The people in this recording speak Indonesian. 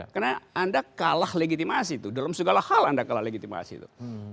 karena anda kalah legitimasi itu dalam segala hal anda kalah legitimasi itu